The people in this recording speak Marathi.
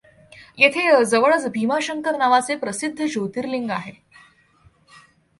येथे जवळच भीमाशंकर नावाचे प्रसिद्ध ज्योतिर्लिग आहे.